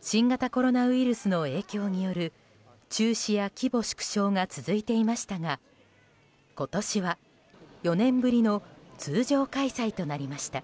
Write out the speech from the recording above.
新型コロナウイルスの影響による中止や規模縮小が続いていましたが今年は４年ぶりの通常開催となりました。